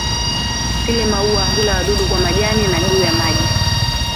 Sile-maua hula wadudu kwa majani na juu ya maji.